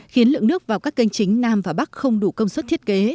khiến lượng nước vào các kênh chính nam và bắc không đủ công suất thiết kế